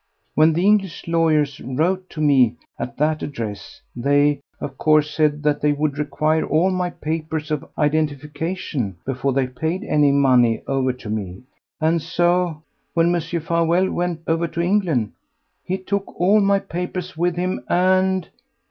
When the English lawyers wrote to me at that address they, of course, said that they would require all my papers of identification before they paid any money over to me, and so, when Mr. Farewell went over to England, he took all my papers with him and